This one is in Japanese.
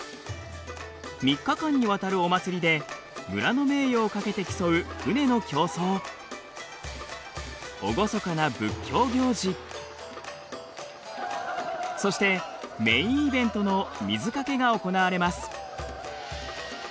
３日間にわたるお祭りで村の名誉をかけて競う船の競争厳かな仏教行事そしてメインイベントの水かけが行われます。